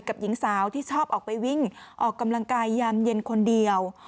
หญิงสาวที่ชอบออกไปวิ่งออกกำลังกายยามเย็นคนเดียว